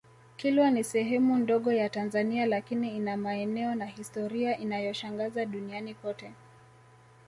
Kilwa ni sehemu ndogo ya Tanzania lakini ina maeneo na historia inayoshangaza duniani kote